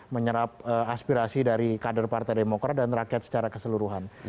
menyerap aspirasi dari kader partai demokrat dan rakyat secara keseluruhan